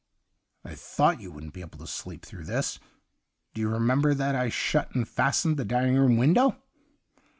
' I thought you wouldn't be able to sleep through this. Do you remember that I shut and fastened the dining room window